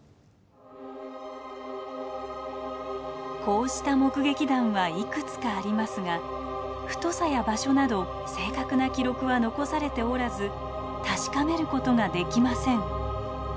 こうした目撃談はいくつかありますが太さや場所など正確な記録は残されておらず確かめることができません。